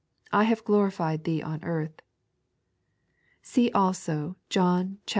... I have glorified Thee on the earth" (see also John ziv.